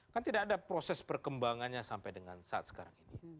kan tidak ada proses perkembangannya sampai dengan saat sekarang ini